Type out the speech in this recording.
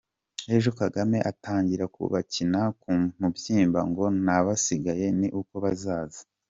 Ejo Kagame atangire kubakina ku mubyimba ngo n’abasigaye ni uko bazaza!